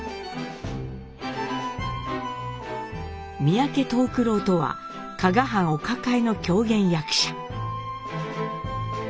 三宅藤九郎とは加賀藩お抱えの狂言役者。